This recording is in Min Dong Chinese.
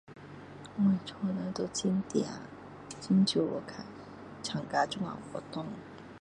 我家里人都很懒很少去看参加这样活动